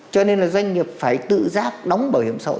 cho nên là doanh nghiệp phải tự giác đóng bảo hiểm xã hội